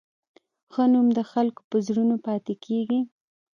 ښه نوم د خلکو په زړونو پاتې کېږي.